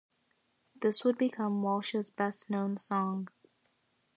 This would become Walsh's best-known song.